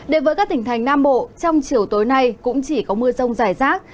đến với các tỉnh thành nam bộ trong chiều tối nay cũng chỉ có mưa rông rải rác